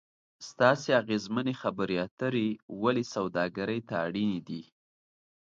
ستاسې اغیزمنې خبرې اترې ولې سوداګري ته اړینې دي ؟